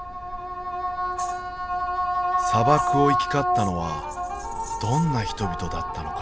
砂漠を行き交ったのはどんな人々だったのか？